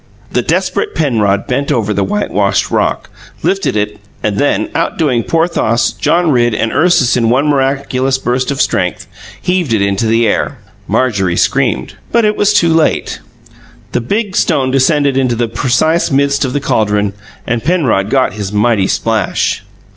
The desperate Penrod bent over the whitewashed rock, lifted it, and then outdoing Porthos, John Ridd, and Ursus in one miraculous burst of strength heaved it into the air. Marjorie screamed. But it was too late. The big stone descended into the precise midst of the caldron and Penrod got his mighty splash.